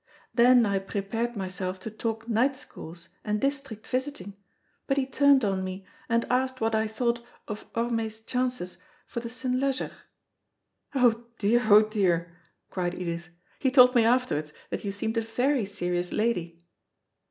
Then I prepared myself to talk night schools and district visiting; but he turned on me, and asked what I thought of Orme's chances for the St. Leger." "Oh, dear! oh, dear!" cried Edith; "he told me afterwards that you seemed a very serious lady."